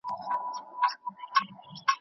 پانګه د توليد د کچې د لوړولو لپاره اړينه ده.